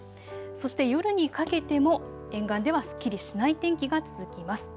そして夜にかけても沿岸ではすっきりしない天気が続きます。